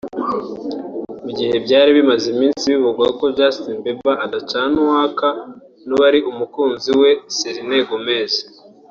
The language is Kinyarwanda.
Mu gihe byari bimaze iminsi bivugwa ko Justin Bieber adacana uwaka n’uwari umukunzi we Selena Gomez